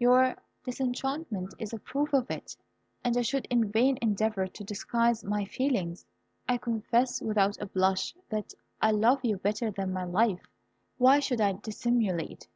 Your disenchantment is a proof of it, and I should in vain endeavour to disguise my feelings. I confess without a blush, that I love you better than myself. Why should I dissimulate?